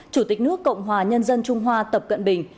chủ tịch nước cộng hòa nhân dân trung hoa tập cận bình